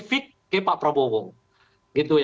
fit ke pak prabowo